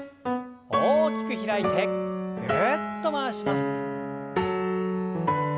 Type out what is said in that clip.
大きく開いてぐるっと回します。